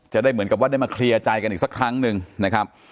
จะได้เหมือนกับว่าได้มาเคลียร์ใจกันอีกสักครั้งหนึ่งนะครับ